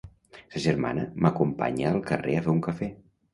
Sa germana m'acompanya al carrer a fer un cafè.